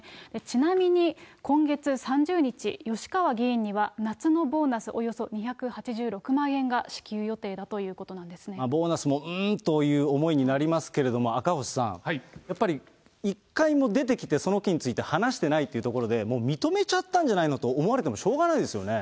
ちなみに今月３０日、吉川議員には夏のボーナスおよそ２８６万円が支給予定だというこボーナスも、うーんという思いになりますけれども、赤星さん、やっぱり一回も出てきて、その件について話してないということで、もう認めちゃったんじゃないのと思われてもしょうがないですよね。